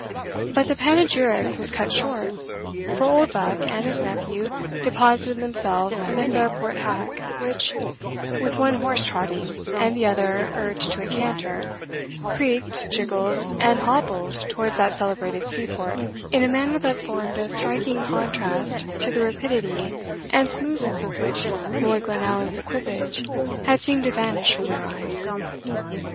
But the panegyric was cut short, for Oldbuck and his nephew deposited themselves in the Fairport hack, which, with one horse trotting, and the other urged to a canter, creaked, jingled, and hobbled towards that celebrated seaport, in a manner that formed a strong contrast to the rapidity and smoothness with which Lord Glenallan's equipage had seemed to vanish from their eyes.